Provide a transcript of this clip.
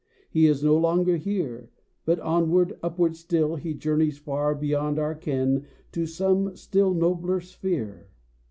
He is no longer here, But onward, upward still, he journeys far Beyond our ken to some still nobler sphere.